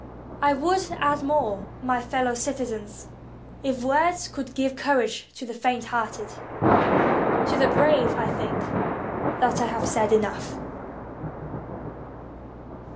I would add more, my fellow citizens, if words could give cour age to the faint hearted; to the brave I think that I have said enough.